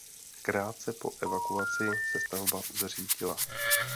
Krátce po evakuaci se stavba zřítila.